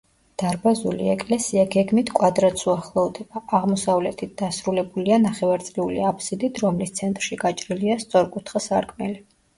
დარბაზული ეკლესია გეგმით კვადრატს უახლოვდება, აღმოსავლეთით დასრულებულია ნახევარწრიული აბსიდით, რომლის ცენტრში გაჭრილია სწორკუთხა სარკმელი.